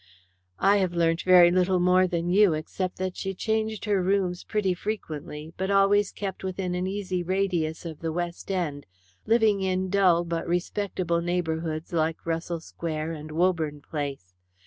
"I have learnt very little more than you, except that she changed her rooms pretty frequently, but always kept within an easy radius of the West End, living in dull but respectable neighbourhoods like Russell Square and Woburn Place.